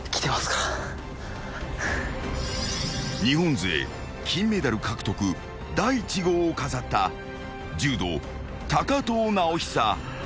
［日本勢金メダル獲得第１号を飾った柔道藤直寿］